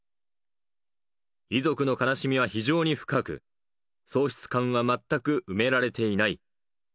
遺族の悲しみは非常に深く、喪失感は全く埋められていない。